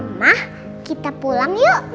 omah kita pulang yuk